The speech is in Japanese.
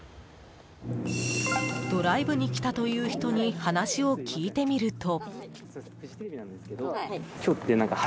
ドライブに来たという人に話を聞いてみると。